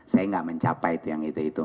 saya gak mencapai itu yang itu itu